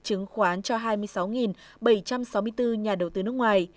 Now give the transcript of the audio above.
chứng khoán cho hai mươi sáu bảy trăm sáu mươi bốn nhà đầu tư nước ngoài